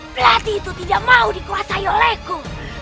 pelatih itu tidak mau dikuasai olehku